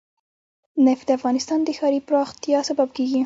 نفت د افغانستان د ښاري پراختیا سبب کېږي.